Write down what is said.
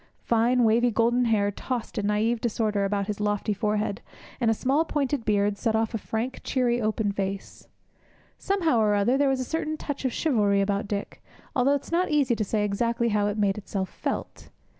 Fine wavy golden hair tossed in naïve disorder about his lofty forehead; and a small pointed golden beard set off a frank, cheery, open face. Somehow or other, there was a certain touch of chivalry about Dick, although it is not easy to say exactly how it made itself felt.